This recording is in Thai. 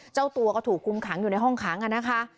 เจ้าตัวก็ถูกคุมขังอยู่ในห้องขังนะคะ